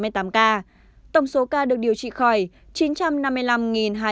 tổng số ca được điều trị khỏi